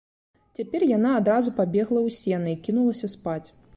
Цяпер яна адразу пабегла ў сена і кінулася спаць.